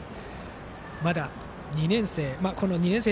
まだ２年生。